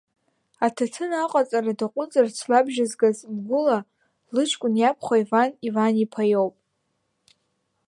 Аҭаҭын аҟаҵара даҟәыҵырц лабжьазгаз лгәыла, лыҷкәын иабхәа Иван Иваниԥа иоуп.